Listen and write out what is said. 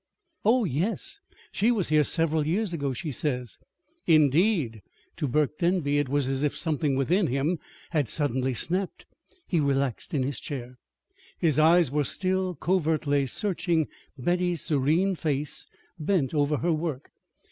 "Oh, yes. She was here several years ago, she says." "Indeed!" To Burke Denby it was as if something within him had suddenly snapped. He relaxed in his chair. His eyes were still covertly searching Betty's serene face bent over her work.